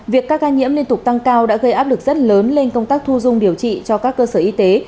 việc các ca nhiễm liên tục tăng cao đã gây áp lực rất lớn lên công tác thu dung điều trị cho các cơ sở y tế